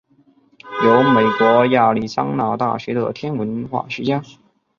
由美国亚利桑那大学的天文化学家。